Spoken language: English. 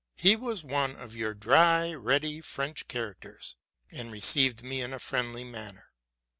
He was one of your dry, ready French characters, and received me in a friendly manner.